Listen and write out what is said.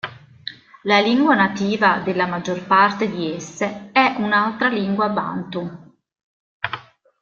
La lingua nativa della maggior parte di esse è un'altra lingua bantu.